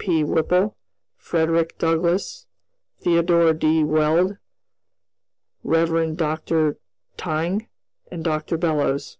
P. Whipple, Frederick Douglass, Theodore D. Weld, Rev. Dr. Tyng, and Dr. Bellows.